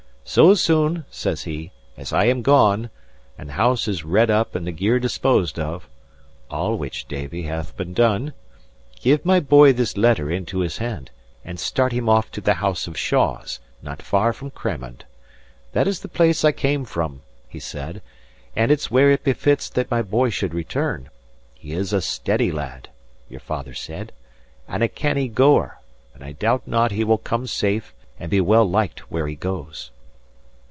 'So soon,' says he, 'as I am gone, and the house is redd up and the gear disposed of' (all which, Davie, hath been done), 'give my boy this letter into his hand, and start him off to the house of Shaws, not far from Cramond. That is the place I came from,' he said, 'and it's where it befits that my boy should return. He is a steady lad,' your father said, 'and a canny goer; and I doubt not he will come safe, and be well lived where he goes.